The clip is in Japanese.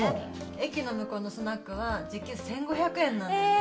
駅の向こうのスナックは時給１，５００円なのよね。